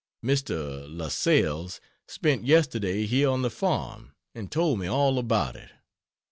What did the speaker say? Mr. Lascelles spent yesterday here on the farm, and told me all about it.